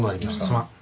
すまん。